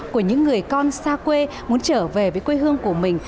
của những người con xa quê muốn trở về với quê hương của mình